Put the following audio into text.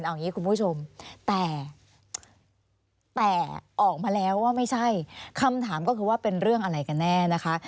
เอาอย่างนี้คุณผู้ชมแต่ออกมาแล้วว่าไม่ใช่คำถามก็คือว่าเป็นเรื่องอะไรกันแน่นะคะ